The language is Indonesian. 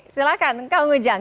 silahkan kak ujang